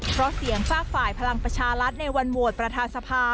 เพราะเสียงฝากฝ่ายพลังประชารัฐในวันโหวตประธานสภา